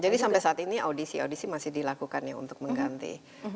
jadi sampai saat ini audisi audisi masih dilakukan ya untuk mengganti